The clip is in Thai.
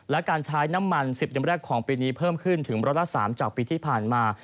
และการใช้น้ำมัน๑๐เดือนแรกของปีนี้เพิ่มขึ้นถึงร้อยละ๓จากปีที่ผ่านมา